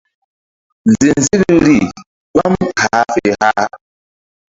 Nzinzikri gbam hah fe hah.